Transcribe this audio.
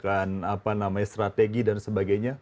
koordinasi mengadakan strategi dan sebagainya